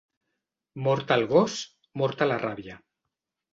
Mort el gos, morta la ràbia.